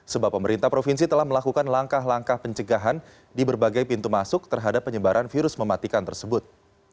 sebab pemerintah provinsi telah melakukan langkah langkah pencegahan di berbagai pintu masuk terhadap penyebaran virus mematikan tersebut